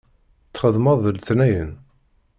Txeddmeḍ d letnayen?